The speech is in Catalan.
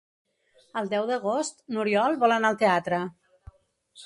El deu d'agost n'Oriol vol anar al teatre.